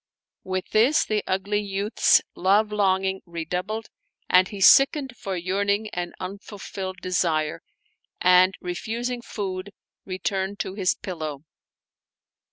With this the ugly youth's love longing redoubled and he sickened for yearning and unfulfilled desire; and re fusing food returned to his pillow.